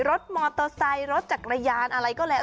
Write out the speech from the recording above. รถมอเตอร์ไซค์รถจักรยานอะไรก็แล้ว